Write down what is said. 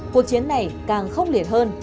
cuộc chiến này càng khốc liệt hơn